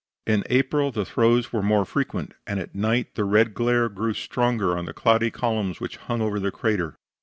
In April the throws were more frequent, and at night the red glare grew stronger on the cloudy columns which hung over the crater.